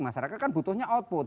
masyarakat kan butuhnya output